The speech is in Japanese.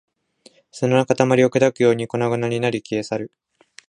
砂の塊を砕くように粉々になり、消え去る